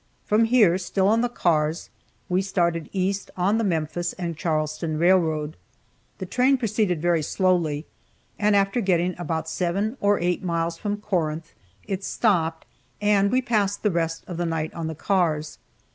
From here, still on the cars, we started east on the Memphis and Charleston railroad. The train proceeded very slowly, and after getting about seven or eight miles from Corinth, it stopped, and we passed the rest of the night on the cars.